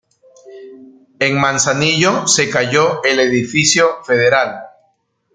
En Manzanillo se cayó el "Edificio Federal".